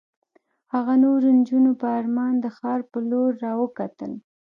هغه نورو نجونو په ارمان د ښار په لور را وکتل.